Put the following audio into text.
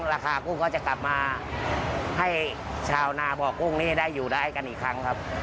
กุ้งก็จะกลับมาให้ชาวนาบ่อกุ้งนี่ได้อยู่ได้กันอีกครั้งครับ